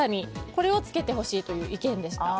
これをつけてほしいという意見でした。